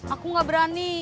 aku nggak berani